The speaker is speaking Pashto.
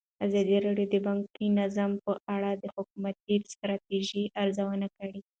ازادي راډیو د بانکي نظام په اړه د حکومتي ستراتیژۍ ارزونه کړې.